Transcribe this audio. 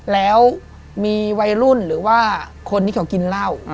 แล้วมีวัยรุ่นหรือว่าคนที่เขากินเหล้า